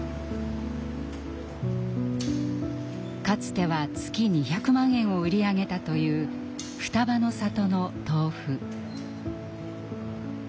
かつては月２００万円を売り上げたというふたばの里の豆腐。